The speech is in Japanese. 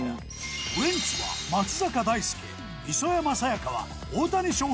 ウエンツは松坂大輔磯山さやかは大谷翔平と予想。